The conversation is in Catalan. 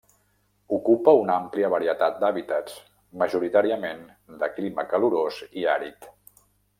Ocupa una àmplia varietat d'hàbitats, majoritàriament de clima calorós i àrid.